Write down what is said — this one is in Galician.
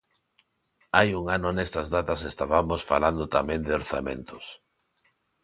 Hai un ano nestas datas estabamos falando tamén de orzamentos.